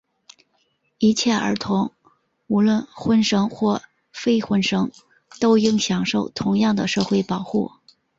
一切儿童,无论婚生或非婚生,都应享受同样的社会保护。